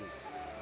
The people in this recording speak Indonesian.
selama pandemi ini